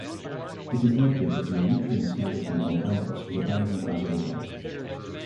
It is likely that the Eretrian establishment on Andros was abandoned as a result.